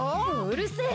うるせえ！